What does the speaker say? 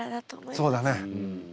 そうだね。